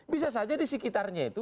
bisa saja di sekitarnya itu